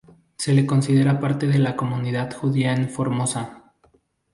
Se lo considera parte de la comunidad judía en Formosa.